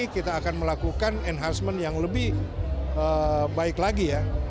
kita akan melakukan enhancement yang lebih baik lagi ya